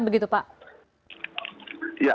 bagaimana begitu pak